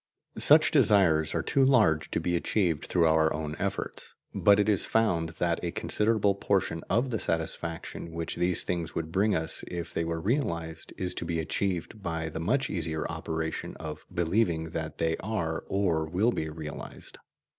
Such desires are too large to be achieved through our own efforts. But it is found that a considerable portion of the satisfaction which these things would bring us if they were realized is to be achieved by the much easier operation of believing that they are or will be realized.